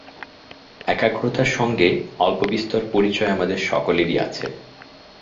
একাগ্রতার সঙ্গে অল্পবিস্তর পরিচয় আমাদের সকলেরই আছে।